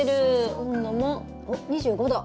温度もおっ２５℃。